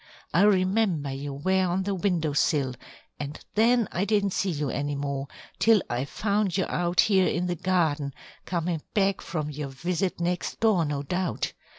I remember you were on the window sill, and then I didn't see you any more, till I found you out here in the garden coming back from your visit next door, no doubt!